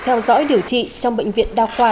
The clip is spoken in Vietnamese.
theo dõi điều trị trong bệnh viện đao khoa